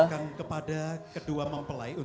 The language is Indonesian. silakan kepada kedua mempelai